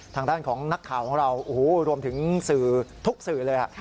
ทางด้านของนักข่าวของเรารวมถึงสื่อทุกสื่อเลย